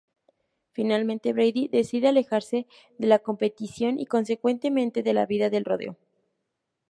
Finalmente, Brady decide alejarse de la competición y, consecuentemente, de la vida del rodeo.